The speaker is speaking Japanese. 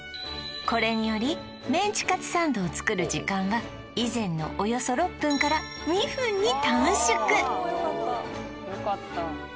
これによりメンチカツサンドを作る時間は以前のおよそ６分から２分に短縮